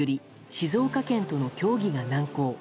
静岡県との協議が難航。